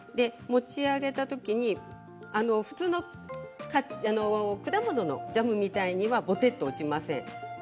持ち上げた時に普通の果物のジャムみたいにぼてっとは落ちません。